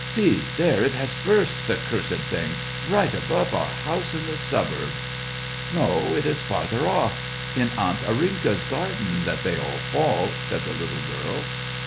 See, there it has burst, the cursed thing! right above our house in the suburbs.'* " No, it is farther off, in aunt Arinka's garden, that they all fall," said the little girl.